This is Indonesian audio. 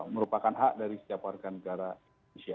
merupakan hak dari setiap warga negara indonesia